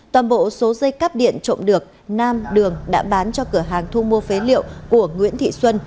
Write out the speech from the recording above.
toàn bộ số dây cắp điện trộm được nam đường đã bán cho cửa hàng thu mua phế liệu của nguyễn thị xuân